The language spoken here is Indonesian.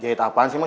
jahit apaan sih mak